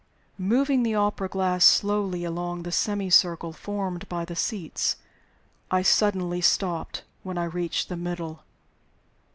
Moving the opera glass slowly along the semicircle formed by the seats, I suddenly stopped when I reached the middle.